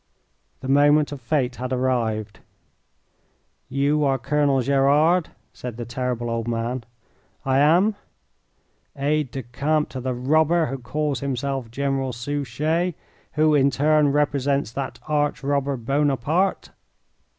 The moment of fate had arrived. "You are Colonel Gerard?" said the terrible old man. "I am." "Aide de camp to the robber who calls himself General Suchet, who in turn represents that arch robber Buonaparte?"